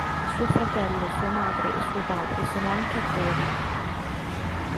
Suo fratello, sua madre e suo padre sono anche attori.